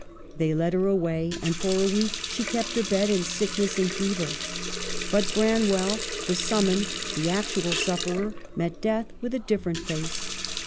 They led her away, and for a week she kept her bed in sickness and fever. But Bran well, the summoned, the actual sufferer, met death with a different face.